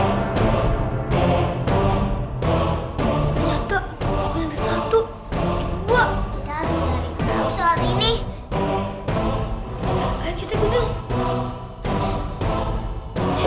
nyata orangnya satu dua kita bisa mengetahui soal ini